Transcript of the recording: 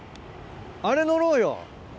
あれ乗ろうよ。